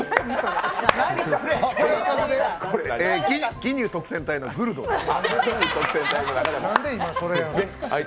ギニュー特戦隊のグルトです。